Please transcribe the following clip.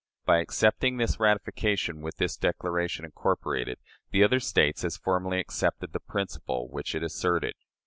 By accepting the ratifications with this declaration incorporated, the other States as formally accepted the principle which it asserted.